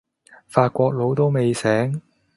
法國佬都未醒